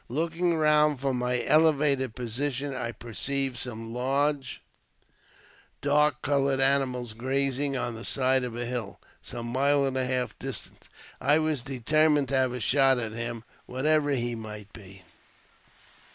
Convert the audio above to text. Looking around from my elevated position, I perceived some large, dark coloured animal grazing on the side of a hill, some mile and a half distant. I was determined to have a shot at him, whatever he might be.